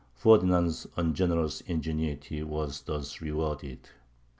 Ferdinand's ungenerous ingenuity was thus rewarded.